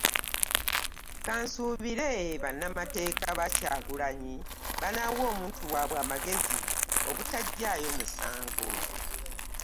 “Kansuubire bannamateeka ba Kyagulanyi banaawa omuntu waabwe amagezi obutaggyayo musango".